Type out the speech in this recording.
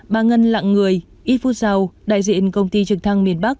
bà ngân lạng người ít phút sau đại diện công ty trực thăng miền bắc